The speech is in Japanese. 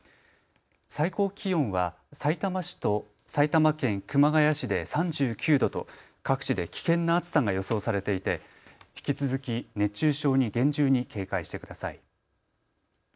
最高気温はさいたま市と埼玉県熊谷市で３９度と各地で危険な暑さが予想されていて引き続き熱中症に厳重に警戒してください。